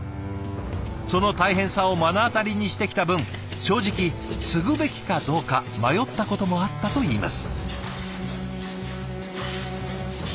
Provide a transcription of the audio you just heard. その大変さを目の当たりにしてきた分正直継ぐべきかどうか迷ったこともあったといいます。